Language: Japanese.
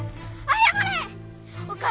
謝れ！